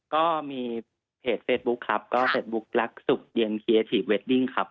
ก็มีเพจเฟซบุ๊คครับก็เฟซบุ๊ครักสุขเย็นเชียร์ทีฟเวดดิ้งครับ